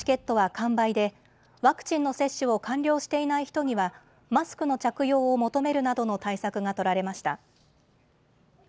初日のチケットは完売でワクチンの接種を完了していない人にはマスクの着用を求めるなどの対策が取られました。